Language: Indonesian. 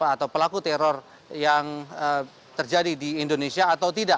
atau pelaku teror yang terjadi di indonesia atau tidak